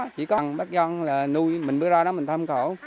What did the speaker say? chỉ có bác giang nuôi mình bữa đó mình thăm khổ